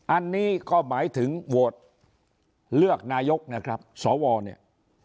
อันนี้ก็หมายถึงโหวตเลือกนายกนะครับสวเนี่ย